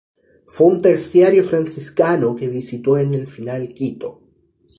Fue un Terciario Franciscano que visitó en el final Quito.